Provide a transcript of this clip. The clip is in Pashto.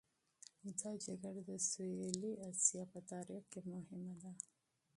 دا جګړه د جنوبي اسیا په تاریخ کې مهمه ده.